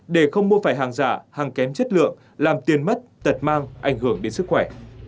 để không mua phải hàng giả hàng kém chất lượng làm tiền mất tật mang ảnh hưởng đến sức khỏe